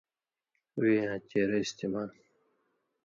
وےیاں چېرہ استعمال